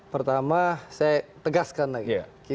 pertama saya tegaskan lagi